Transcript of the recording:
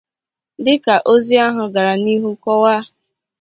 Dịka ozi ahụ gara n'ihu kọwaa